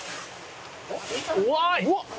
うわっ！